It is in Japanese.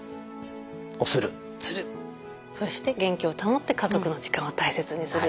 そして元気を保って家族の時間を大切にする。